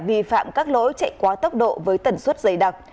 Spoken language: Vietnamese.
vi phạm các lối chạy quá tốc độ với tần suất dày đặc